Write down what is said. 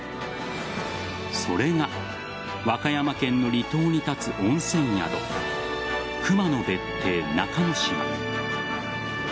それが和歌山県の離島に立つ温泉宿熊野別邸中の島。